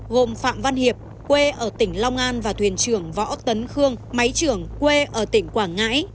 gồm phạm văn hiệp quê ở tỉnh long an và thuyền trưởng võ tấn khương máy trưởng quê ở tỉnh quảng ngãi